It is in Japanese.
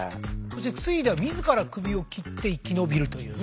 次いでは自ら首を切って生き延びるという。